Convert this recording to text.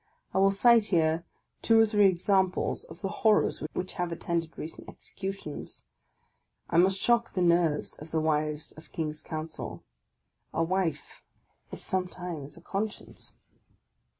I will cite here two or three examples of the horrors which have attended recent executions. I must shock the nerves of the wives of king's counsel. A wife is sometimes a conscience!